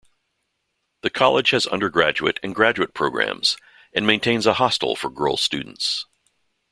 The college has undergraduate and graduate programs, and maintains a hostel for girl students.